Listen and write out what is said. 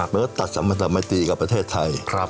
มันก็ตัดจัดมาสามัยตีกับประเทศไทย